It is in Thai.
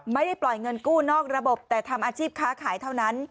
ไม่ได้ปล่อยเงินกู้นอกระบบแต่ทำอาชีพค้าขายเท่านั้น